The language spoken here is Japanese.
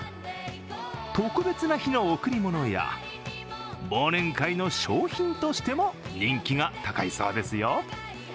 特別な日の贈り物や忘年会の賞品としても人気が高いそうですよ。